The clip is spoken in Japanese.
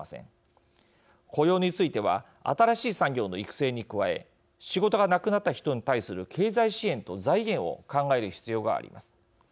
雇用については新しい産業の育成に加え仕事がなくなった人に対する経済支援と財源を考える必要があります。